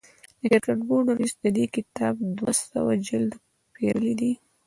د کرکټ بورډ رئیس د دې کتاب دوه سوه جلده پېرلي دي.